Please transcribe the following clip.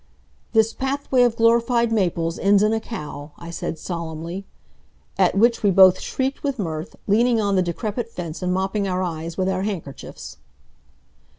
"This pathway of glorified maples ends in a cow," I said, solemnly. At which we both shrieked with mirth, leaning on the decrepit fence and mopping our eyes with our handkerchiefs.